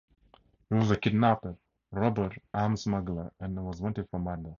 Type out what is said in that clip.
He was a kidnapper, robber, arms smuggler and was wanted for murder.